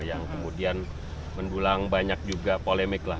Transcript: yang kemudian mendulang banyak juga polemik lah